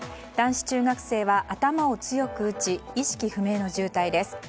男子中学生は頭を強く打ち意識不明の重体です。